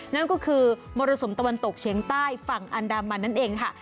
นั่นก็คือมรสุมตะวันตกเฉียงใต้ฝั่งอันดามันนั่นเองค่ะ